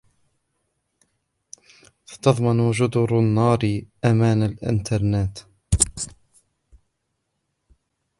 ستضمن جُدُر النار أمان الإنترنت.